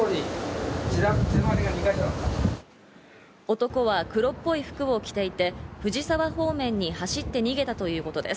男は黒っぽい服を着ていて藤沢方面に走って逃げたということです。